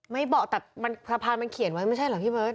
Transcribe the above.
ไม่บอกแต่สะพานมันเขียนไว้ไม่ใช่เหรอพี่เมิ้ด